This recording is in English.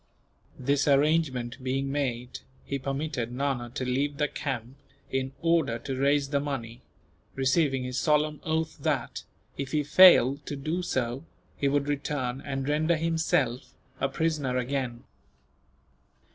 This arrangement being made, he permitted Nana to leave the camp in order to raise the money; receiving his solemn oath that, if he failed to do so, he would return and render himself a prisoner again.